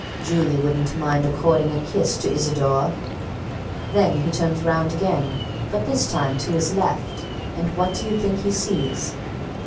Julie wouldn't mind according a kiss to Isidore!' Then he turns round again, but, this time, to the left; and what do you think he sees?